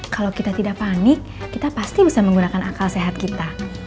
kalau kita tidak panik kita pasti bisa menggunakan akal sehat kita